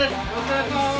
お願いします！